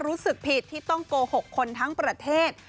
รู้สึกผิดที่ต้องโกหกคนทั้งประเทศ